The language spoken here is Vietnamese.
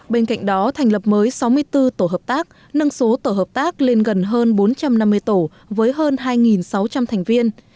bên cạnh đó thành lập mới sáu mươi bốn tổ hợp tác nâng số tổ hợp tác lên gần hơn bốn trăm năm mươi tổ với hơn hai sáu trăm linh thành viên